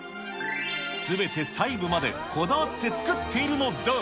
すべて細部までこだわって作っているのだ。